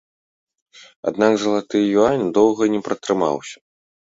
Аднак залаты юань доўга не пратрымаўся.